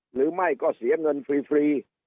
หรือไม่ก็เสียเงินฟรี